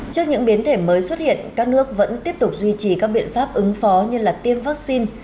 trước những biến thể mới xuất hiện các nước vẫn tiếp tục duy trì các biện pháp ứng phó như tiêm vaccine